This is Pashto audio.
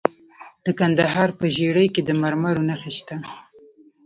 د کندهار په ژیړۍ کې د مرمرو نښې شته.